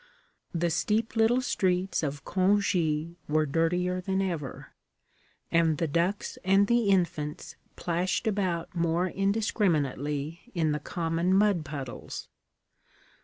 The steep little streets of Congy were dirtier than ever, and the ducks and the infants plashed about more indiscriminately in the common mud puddles.